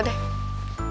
gila ini udah berapa